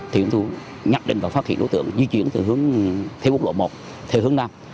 thì chúng tôi nhắc định và phát hiện đối tượng di chuyển từ hướng theo quốc lộ một theo hướng nam